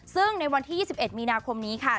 ซึ่งในวันที่๒๑มีนาคมนี้ค่ะ